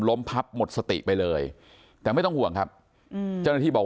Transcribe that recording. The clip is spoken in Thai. พับหมดสติไปเลยแต่ไม่ต้องห่วงครับเจ้าหน้าที่บอก